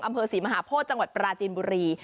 อำเภอศรีมหาโพธิจังหวัดปราจีนบุรี